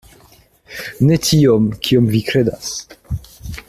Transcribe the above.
Ne tiom, kiom vi kredas.